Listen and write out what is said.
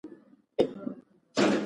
هر هېواد خپلې ځانګړې څېړنې ته اړتیا لري.